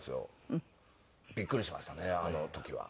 びっくりしましたねあの時は。